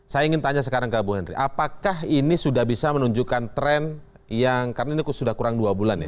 saya ingin tanya sekarang ke bu henry apakah ini sudah bisa menunjukkan tren yang karena ini sudah kurang dua bulan ya